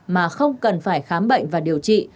mà không cần phải khám bệnh và điều trị